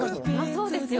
そうですよ。